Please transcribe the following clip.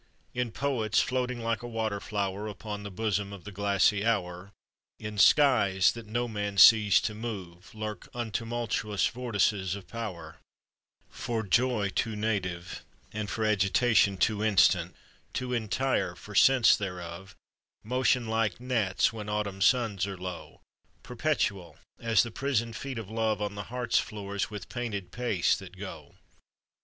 In poets floating like a water flower Upon the bosom of the glassy hour, In skies that no man sees to move, Lurk untumultuous vortices of power, For joy too native, and for agitation Too instant, too entire for sense thereof, Motion like gnats when autumn suns are low, Perpetual as the prisoned feet of love On the heart's floors with painèd pace that go.